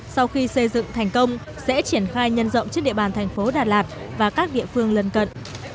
sau khi xây dựng thành công sẽ triển khai nhân rộng trên địa bàn thành phố đà lạt và các địa phương lân cận